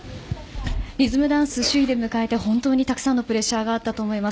リズムダンス首位で迎えて本当にたくさんのプレッシャーがあったと思います。